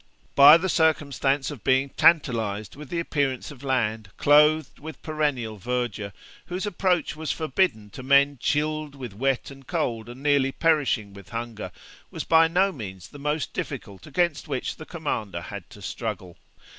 But the circumstance of being tantalized with the appearance of land, clothed with perennial verdure, whose approach was forbidden to men chilled with wet and cold, and nearly perishing with hunger, was by no means the most difficult against which the commander had to struggle.